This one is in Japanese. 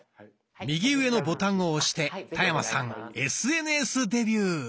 右上のボタンを押して田山さんＳＮＳデビュー。